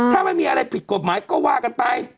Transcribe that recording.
ถ้าไม่มีอะไรผิดกฎหมายก็ว่ากันไป